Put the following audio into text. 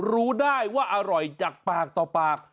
รู้ได้ว่าอร่อยจากปากต่อปาก